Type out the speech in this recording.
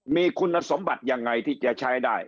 มีคุณสมบัติยังไงที่จะใช้ได้